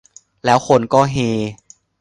แล้วคนก็เฮ